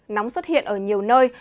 nắng xuất hiện ở nhiều nơi